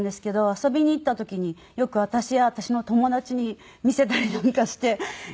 遊びに行った時によく私や私の友達に見せたりなんかして。